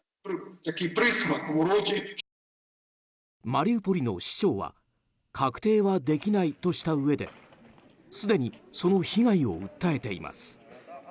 マリウポリの市長は確定はできないとしたうえですでにその被害を訴えています。